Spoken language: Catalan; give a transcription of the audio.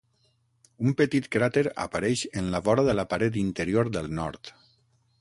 Un petit cràter apareix en la vora de la paret interior del nord.